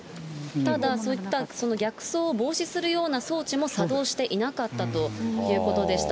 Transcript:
ただ、そういった逆走を防止するような装置も作動していなかったということでした。